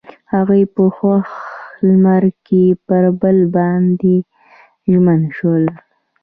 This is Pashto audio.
هغوی په خوښ لمر کې پر بل باندې ژمن شول.